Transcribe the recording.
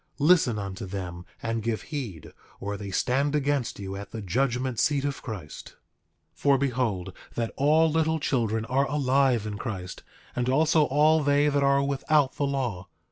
Listen unto them and give heed, or they stand against you at the judgment seat of Christ. 8:22 For behold that all little children are alive in Christ, and also all they that are without the law.